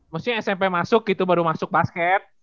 maksudnya smp masuk itu baru masuk basket